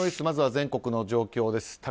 まずは全国の状況です。